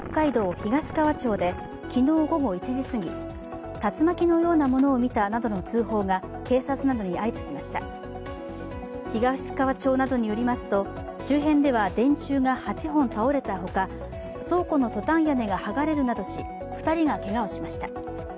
東川町などによりますと周辺では電柱が８本倒れたほか倉庫のトタン屋根が剥がれるなどし２人がけがをしました。